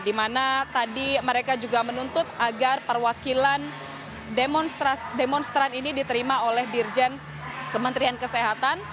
di mana tadi mereka juga menuntut agar perwakilan demonstran ini diterima oleh dirjen kementerian kesehatan